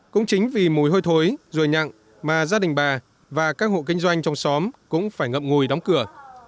cũng chính vì mùi hôi thối rùi nhặng mà gia đình bà và các hộ kinh doanh trong xóm cũng phải ngậm ngùi đóng cửa